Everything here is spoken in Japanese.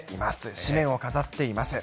紙面を飾っています。